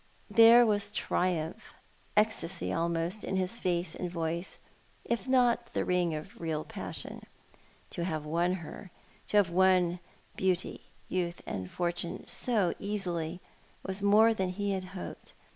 There was triumph, ecstasy almost, in his face and voice, if not the ring of real passion. To have won her — to have won beauty, youth, and fortune so easily — was more than he had hoped.